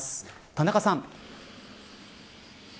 田中さん。